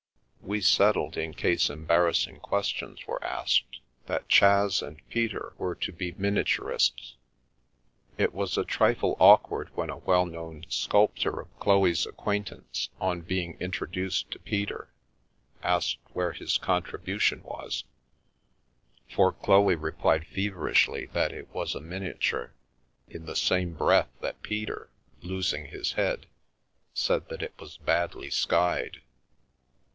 We settled, in case embarrassing questions were asked, that Chas and Peter were to be miniaturists. It was a trifle awkward when a well known sculptor of Chloe's acquaintance, on being intro duced to Peter, asked where his contribution was, fotf Chloe replied feverishly that it was a miniature in the same breath that Peter, losing his head, said that it was badly skied.